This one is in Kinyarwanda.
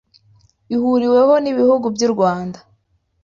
ihuriweho n’ibihugu by’u Rwanda